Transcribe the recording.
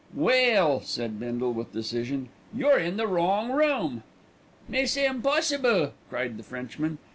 "Well," said Bindle with decision, "you're in the wrong room." "Mais c'est impossible," cried the Frenchman.